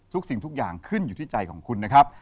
สิ่งทุกอย่างขึ้นอยู่ที่ใจของคุณนะครับ